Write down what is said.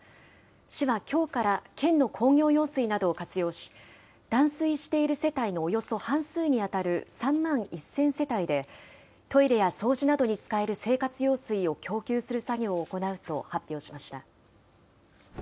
市はきょうから、県の工業用水などを活用し、断水している世帯のおよそ半数に当たる３万１０００世帯で、トイレや掃除などに使える生活用水を供給する作業を行うと発表しました。